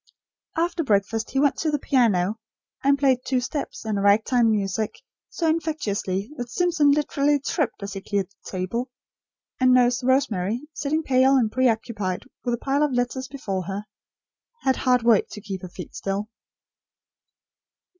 After breakfast, he went to the piano, and played two steps, and rag time music, so infectiously, that Simpson literally tripped as he cleared the table; and Nurse Rosemary, sitting pale and preoccupied, with a pile of letters before her, had hard work to keep her feet still.